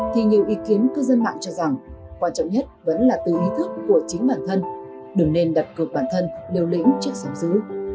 thì nhiều ý kiến cư dân mạng cho rằng quan trọng nhất vẫn là từ ý thức của chính bản thân đừng nên đặt cược bản thân liều lĩnh trước sóng giữ